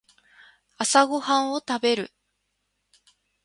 朝ごはんを食べる